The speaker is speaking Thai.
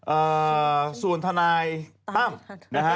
เอ่อส่วนทนายตั้มนะฮะ